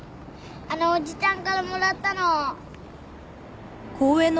あのおじちゃんからもらったの。